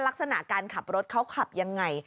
ลักษณะการขับรถเขาขับยังไง